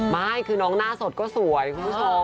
ไม่คือน้องหน้าสดก็สวยคุณผู้ชม